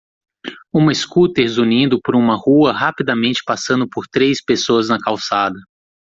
Uma scooter zunindo por uma rua rapidamente passando por três pessoas na calçada.